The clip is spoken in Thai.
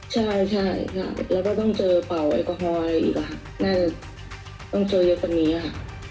ใช่ใช่ค่ะแล้วก็ต้องเจอเป่าแอลกอฮอลอะไรอีกน่าจะต้องเจอเยอะกว่านี้ค่ะ